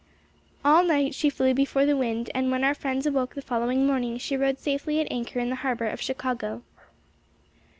All night she flew before the wind and when our friends awoke the following morning she rode safely at anchor in the harbor of Chicago.